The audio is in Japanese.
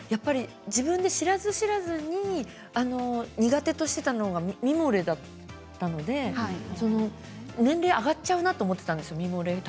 知らず知らず、苦手としていたのがミモレ丈だったので上に上がっちゃうなと思っていたんです。